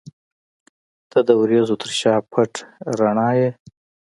• ته د وریځو تر شا پټ رڼا یې.